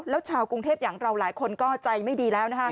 แล้วชาวกรุงเทพอย่างเราหลายคนก็ใจไม่ดีแล้วนะคะ